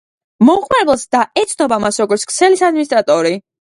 მომხმარებელს და ეცნობა მას როგორც ქსელის ადმინისტრატორი.